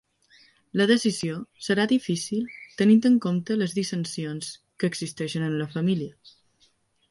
La decisió serà difícil tenint en compte les dissensions que existeixen en la família.